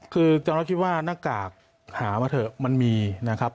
คือตอนนั้นคิดว่าหน้ากากหามาเถอะมันมีนะครับ